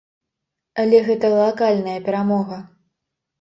Але гэта лакальная перамога.